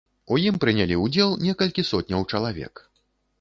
У ім прынялі ўдзел некалькі сотняў чалавек.